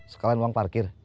sekalian uang parkir